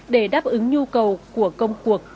để đáp ứng nhu cầu của công cuộc